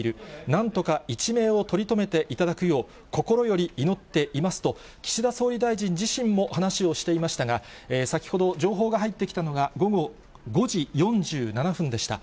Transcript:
なんとか一命を取り留めていただくよう、心より祈っていますと、岸田総理大臣自身も話をしていましたが、先ほど、情報が入ってきたのが午後５時４７分でした。